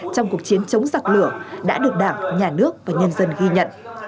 trong cuộc chiến chống giặc lửa đã được đảng nhà nước và nhân dân ghi nhận